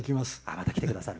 また来てくださる。